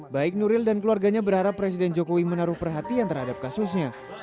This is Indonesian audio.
baik nuril dan keluarganya berharap presiden jokowi menaruh perhatian terhadap kasusnya